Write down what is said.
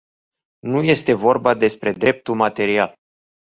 Nu este vorba despre dreptul material.